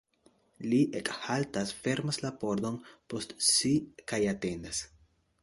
Li ekhaltas, fermas la pordon post si kaj atendas.